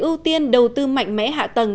ưu tiên đầu tư mạnh mẽ hạ tầng